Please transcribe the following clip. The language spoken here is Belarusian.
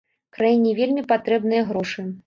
Краіне вельмі патрэбныя грошы.